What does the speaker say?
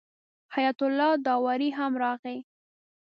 حیات الله داوري هم راغی.